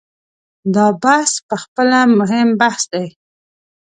دا بحث په خپله مهم بحث دی.